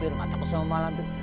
nggak takut sama malam tuh